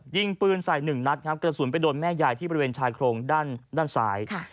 ยิงปืนใส่หนึ่งนัดครับกระสุนไปโดนแม่ยายที่บริเวณชายโครงด้านซ้าย